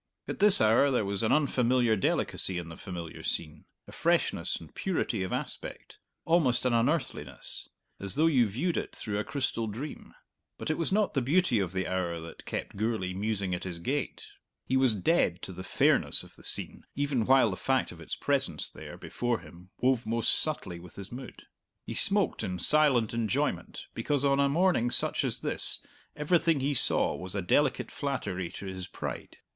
At this hour there was an unfamiliar delicacy in the familiar scene, a freshness and purity of aspect almost an unearthliness as though you viewed it through a crystal dream. But it was not the beauty of the hour that kept Gourlay musing at his gate. He was dead to the fairness of the scene, even while the fact of its presence there before him wove most subtly with his mood. He smoked in silent enjoyment because on a morning such as this everything he saw was a delicate flattery to his pride.